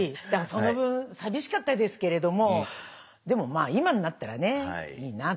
その分寂しかったですけれどもでもまあ今になったらねいいなと思いますよ。